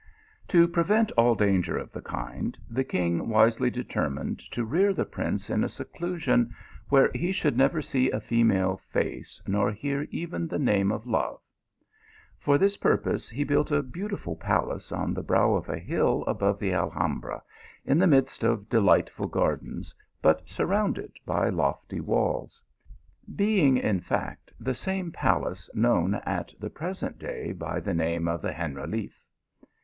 To prevent all danger of the kind, the king wisely determined to rear the prince in a seclusion, where he should never see a female face nor hear even the name of love. For this purpose he built a beautiful palace on the brow of a hill above the Alhambra, in the midst of delightful gardens, but surrounded by lofty walls ; being, in fact, the same palace known at the present day by the name of the Generaliffe.